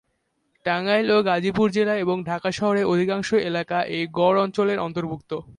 টাঙ্গাইল ও গাজীপুর জেলা এবং ঢাকা শহরের অধিকাংশ এলাকা এই গড় অঞ্চলের অন্তর্ভুক্ত।